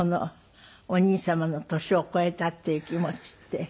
お兄様の年を超えたっていう気持ちって。